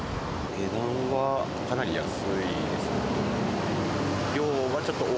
値段はかなり安いですね。